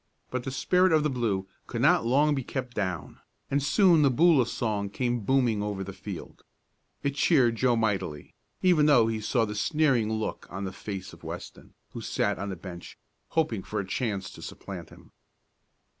But the spirit of the blue could not long be kept down, and soon the Boola song came booming over the field. It cheered Joe mightily, even though he saw the sneering look on the face of Weston, who sat on the bench, hoping for a chance to supplant him.